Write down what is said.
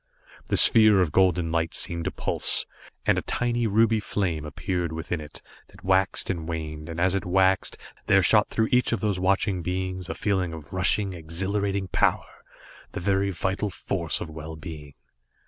The sphere of golden light seemed to pulse, and a tiny ruby flame appeared within it, that waxed and waned, and as it waxed, there shot through each of those watching beings a feeling of rushing, exhilarating power, the very vital force of well being.